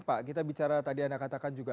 pak kita bicara tadi anda katakan juga